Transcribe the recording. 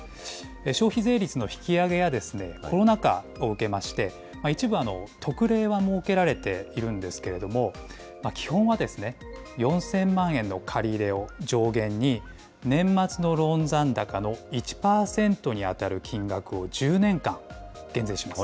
消費税率の引き上げやコロナ禍を受けまして、一部、特例は設けられているんですけれども、基本は４０００万円の借り入れを上限に、年末のローン残高の１％に当たる金額を１０年間減税します。